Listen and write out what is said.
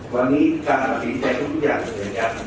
วันนี้การปฏิภัณฑ์ให้ทุกอย่างเป็นอย่าง